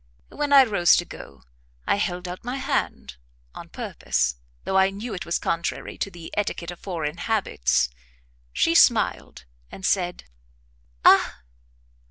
When I rose to go, I held out my hand, on purpose, though I knew it was contrary to the etiquette of foreign habits; she smiled, and said "Ah!